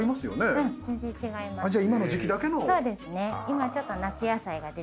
今ちょっと夏野菜が出てきて。